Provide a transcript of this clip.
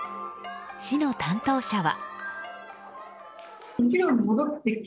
市の担当者は。